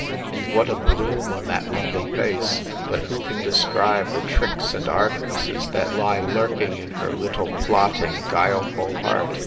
and what a bloom on that lovely face!—But who can describe the tricks and artifices, that lie lurking in her little, plotting, guileful heart!